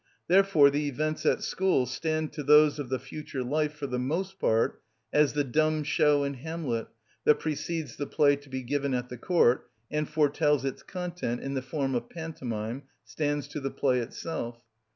Therefore the events at school stand to those of the future life for the most part as the dumb show in "Hamlet" that precedes the play to be given at the court, and foretells its content in the form of pantomime, stands to the play itself.